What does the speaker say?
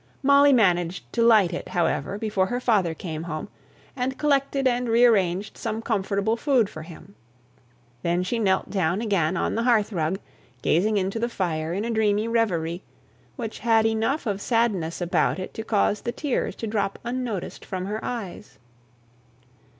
Molly managed to light it, however, before her father came home, and collected and re arranged some comfortable food for him. Then she knelt down again on the hearth rug, gazing into the fire in a dreamy reverie, which had enough of sadness about it to cause the tears to drop unnoticed from her eyes.